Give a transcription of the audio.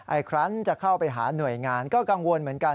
อีกครั้งจะเข้าไปหาหน่วยงานก็กังวลเหมือนกัน